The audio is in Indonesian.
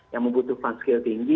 yang membutuhkan skill tinggi